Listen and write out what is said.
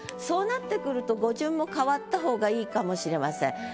そうなってくると語順も変わった方がいいかもしれません。